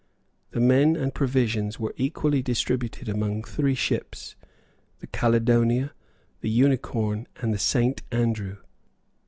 The men and provisions were equally distributed among three ships, the Caledonia, the Unicorn, and the Saint Andrew.